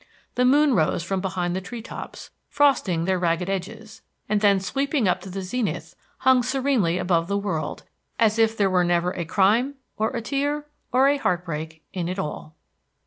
The moon rose from behind the tree tops, frosting their ragged edges, and then sweeping up to the zenith hung serenely above the world, as if there were never a crime, or a tear, or a heart break in it all.